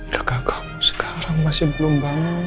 luka kamu sekarang masih belum bangun